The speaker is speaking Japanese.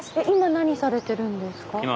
今何されてるんですか？